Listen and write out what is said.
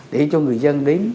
để cho người dân đến